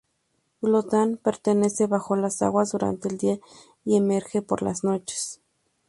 Gotland permanece bajo las aguas durante el día y emerge por las noches.